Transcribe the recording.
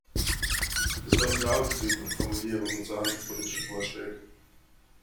Das war unser Hauptziel bei der Formulierung unserer handelspolitischen Vorschläge.